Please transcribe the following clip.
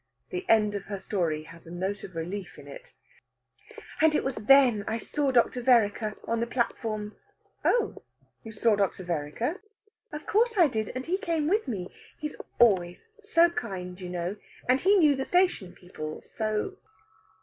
The end of her story has a note of relief in it: "And it was then I saw Dr. Vereker on the platform." "Oh, you saw Dr. Vereker?" "Of course I did, and he came with me. He's always so kind, you know, and he knew the station people, so...."